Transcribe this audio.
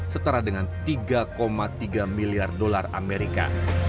setara dengan tiga tiga miliar dolar amerika